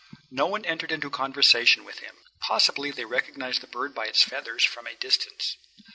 No one entered into conversation with him. Possibly they recognised the bird by its feathers from a distance.